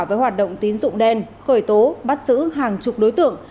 với hoạt động tín dụng đen khởi tố bắt giữ hàng chục đối tượng